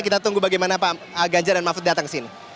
kita tunggu bagaimana pak ganjar dan mahfud datang ke sini